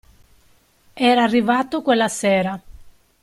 Era arrivato quella sera.